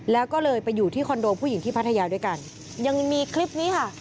แล้วก็เลยไปอยู่ที่คอนโดผู้หญิงที่พัทยาด้วยกันยังมีคลิปนี้ค่ะ